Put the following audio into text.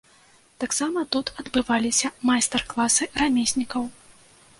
Таксама тут адбываліся майстар-класы рамеснікаў.